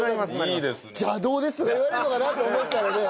邪道ですとか言われるのかなと思ったらね。